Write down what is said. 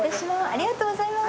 ありがとうございます。